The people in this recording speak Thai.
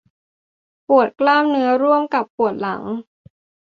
ปวดกล้ามเนื้อร่วมกับปวดหลัง